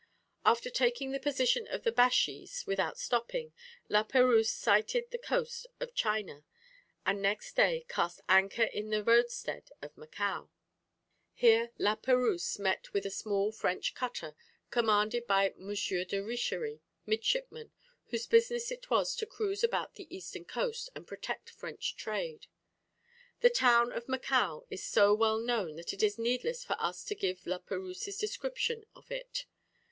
After taking the position of the Bashees, without stopping, La Perouse sighted the coast of China, and next day cast anchor in the roadstead of Macao. Here La Perouse met with a small French cutter, commanded by M. de Richery, midshipman, whose business it was to cruise about the eastern coast, and protect French trade. The town of Macao is so well known that it is needless for us to give La Perouse's description of it.